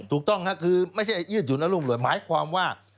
ถูกต้องค่ะคือไม่ใช่ยืดหยุ่นและรุ่งหลวยหมายความว่า